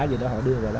gì đó họ đưa vào đó